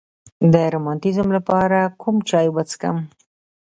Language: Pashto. د روماتیزم لپاره کوم چای وڅښم؟